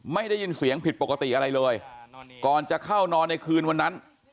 ไม่ได้ยินเสียงผิดปกติอะไรเลยก่อนจะเข้านอนในคืนวันนั้น